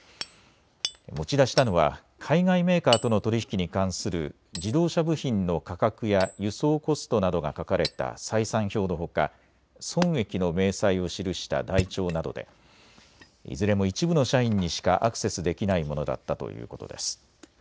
持ち出したのは海外メーカーとの取り引きに関する自動車部品の価格や輸送コストなどが書かれた採算表のほか、損益の明細を記した台帳などでいずれも一部の社員にしかアクセスできないものだったということです。